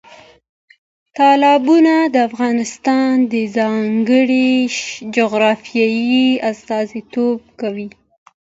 تالابونه د افغانستان د ځانګړې جغرافیې استازیتوب کوي.